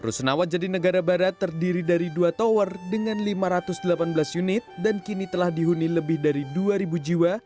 rusunawa jadi negara barat terdiri dari dua tower dengan lima ratus delapan belas unit dan kini telah dihuni lebih dari dua jiwa